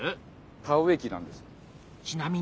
田植え機なんです。